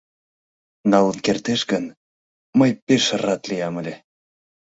Налын кертеш гын, мый пеш рат лиям ыле.